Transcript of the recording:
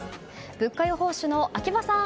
物価予報士の秋葉さん